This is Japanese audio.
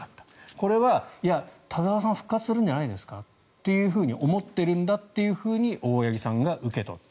これは、いや、田澤さん復活するんじゃないですかって思っているんだっていうふうに大八木さんが受け取った。